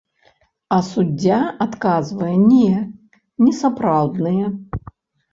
А суддзя адказвае, не, несапраўдныя.